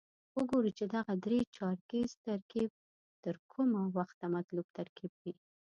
وګورو چې دغه درې چارکیز ترکیب تر کومه وخته مطلوب ترکیب وي.